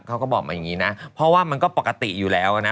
เขาก็บอกมาอย่างนี้นะเพราะว่ามันก็ปกติอยู่แล้วนะ